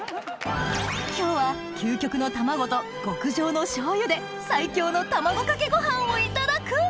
今日は究極の卵と極上の醤油で最強の卵かけご飯をいただく